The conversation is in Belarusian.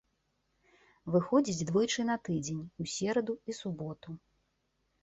Выходзіць двойчы на тыдзень, у сераду і суботу.